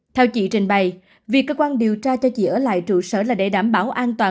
theo chị trình bày việc cơ quan điều tra cho chị ở lại trụ sở là để đảm bảo an toàn